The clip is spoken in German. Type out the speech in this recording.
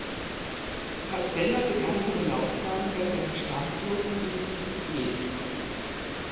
Castella begann seine Laufbahn bei seinem Stammklub in Givisiez.